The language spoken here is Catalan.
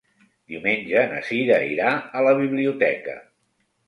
Diumenge na Sira irà a la biblioteca.